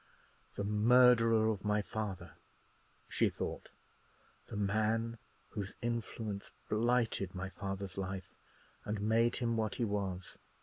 "The murderer of my father!" she thought; "the man whose influence blighted my father's life, and made him what he was.